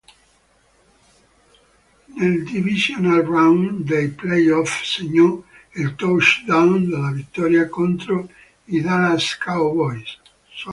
Nel divisional round dei playoff segnò il touchdown della vittoria contro i Dallas Cowboys.